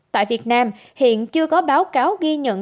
tại việt nam hiện chưa có báo cáo ghi nhận